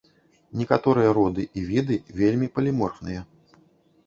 Некаторыя роды і віды вельмі паліморфныя.